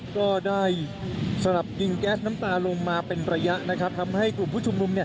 ก็ได้กินแก๊สน้ำตาลงมาเป็นประยะทำให้กลุ่มผู้ชมลุม